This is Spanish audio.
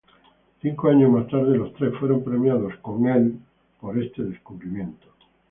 Cinco años más tarde, los tres fueron premiados con el por este descubrimiento.